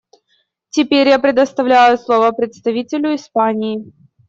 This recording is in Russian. Теперь я предоставляю слово представителю Испании.